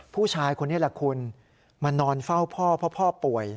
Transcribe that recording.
ผู้ชายคนนี้แหละคุณมานอนเฝ้าพ่อเพราะพ่อป่วย